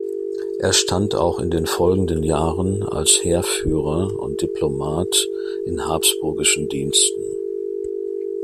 Er stand auch in den folgenden Jahren als Heerführer und Diplomat in habsburgischen Diensten.